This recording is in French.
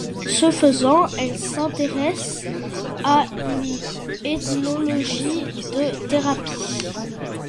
Ce faisant, elle s'intéresse à une ethnologie des thérapies.